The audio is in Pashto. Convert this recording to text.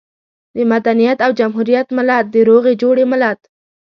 د مدنيت او جمهوريت ملت، د روغې جوړې ملت.